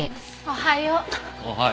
おはよう。